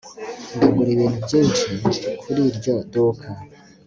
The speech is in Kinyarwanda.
ndagura ibintu byinshi kuri iryo duka